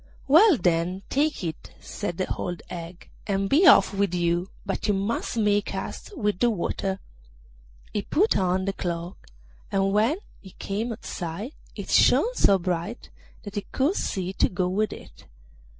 'Well, then, take it,' said the old hag, 'and be off with you, but you must make haste with the water.' He put on the cloak, and when he came outside it shone so bright that he could see to go with it.